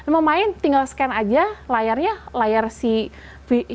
mau main tinggal scan aja layarnya layar si video turun yang gede itu